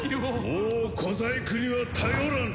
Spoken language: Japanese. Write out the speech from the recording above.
もう小細工には頼らぬ。